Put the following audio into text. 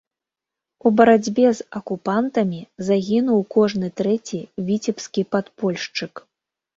У барацьбе з акупантамі загінуў кожны трэці віцебскі падпольшчык.